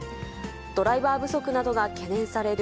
ドライバー不足などが懸念される